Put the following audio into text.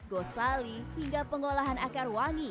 gosali hingga pengolahan akar wangi